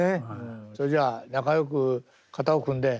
それじゃ仲良く肩を組んで。